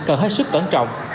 ở hết sức tổn trọng